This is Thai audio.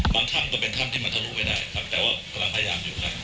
ถ้ำก็เป็นถ้ำที่มันทะลุไม่ได้ครับแต่ว่ากำลังพยายามอยู่ครับ